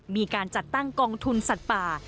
มีการจัดตั้งกองทุนสัตว์ป่า